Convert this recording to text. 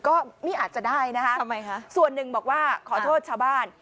ก็นี่อาจจะได้นะคะส่วนหนึ่งบอกว่าขอโทษชาวบ้าน